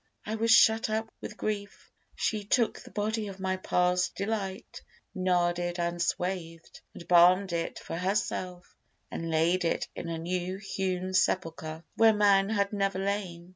I was shut up with grief; She took the body of my past delight, Narded, and swathed and balm'd it for herself, And laid it in a new hewn sepulchre, Where man had never lain.